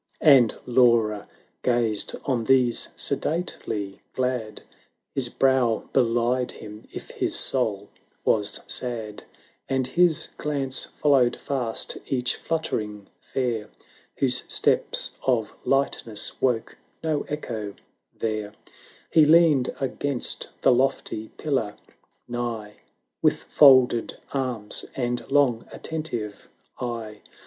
Aftd Lara gazed on these, sedately glad, His brow belied him if his soul was sad; And his glance followed fast each flutter ing fair, Whose steps of lightness woke no echo there : 400 He leaned against the lofty pillar nigh, With folded arms and long attentive eye.